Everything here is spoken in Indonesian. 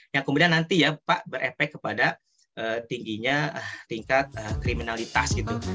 yang kemudian nanti ya pak berepek kepada tingginya tingkat kriminalitas gitu